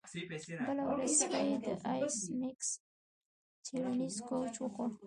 بله ورځ سپي د ایس میکس څیړنیز کوچ وخوړ